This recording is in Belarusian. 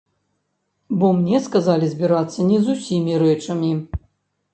Бо мне сказалі збірацца не з усімі рэчамі.